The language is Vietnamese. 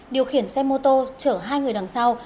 điều khiển xe mô tô chở hai người đằng sau